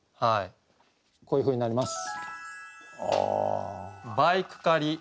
こういうふうになります。